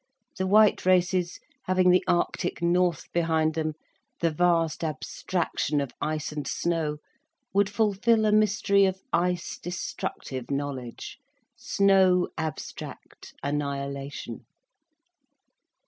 The white races, having the arctic north behind them, the vast abstraction of ice and snow, would fulfil a mystery of ice destructive knowledge, snow abstract annihilation.